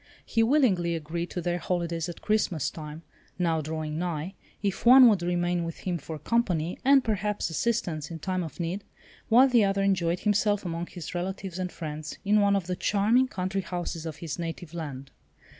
He willingly agreed to their holidays at Christmas time, now drawing nigh, if one would remain with him for company, and perhaps assistance in time of need, while the other enjoyed himself among his relatives and friends in one of the charming country houses of his native land.